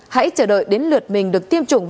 hãy chờ đợi đến lượt mình được tiêm chủng